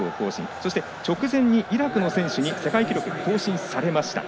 そして、この直前イラクの選手に世界記録を更新されました。